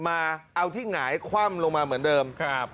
มาเอาที่หงายคว่ำลงมาเหมือนเดิมครับ